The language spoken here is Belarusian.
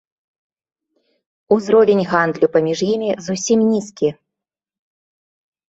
Узровень гандлю паміж імі зусім нізкі.